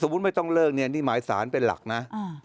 ไม่ต้องเลิกเนี่ยนี่หมายสารเป็นหลักนะ